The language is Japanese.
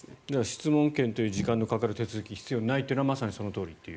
質問権という時間のかかる手続きは必要ないというのはまさにそのとおりと。